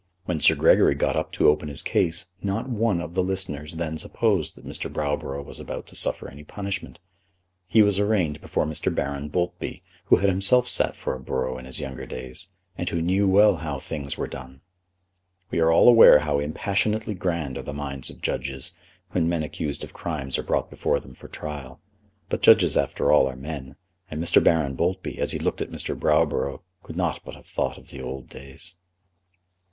When Sir Gregory got up to open his case, not one of the listeners then supposed that Mr. Browborough was about to suffer any punishment. He was arraigned before Mr. Baron Boultby, who had himself sat for a borough in his younger days, and who knew well how things were done. We are all aware how impassionately grand are the minds of judges, when men accused of crimes are brought before them for trial; but judges after all are men, and Mr. Baron Boultby, as he looked at Mr. Browborough, could not but have thought of the old days.